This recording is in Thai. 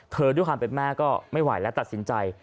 ด้วยความเป็นแม่ก็ไม่ไหวและตัดสินใจ